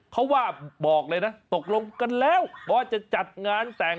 เขาว่าบอกเลยนะตกลงกันแล้วว่าจะจัดงานแต่ง